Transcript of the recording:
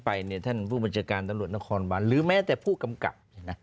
จริงวันถึงนั้นไปท่านผู้บัชการตำรวจนครบ้านหรือแม้แต่ผู้กำกับ